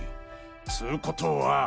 つことは。